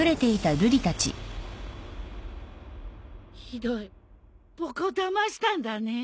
ひどい僕をだましたんだね。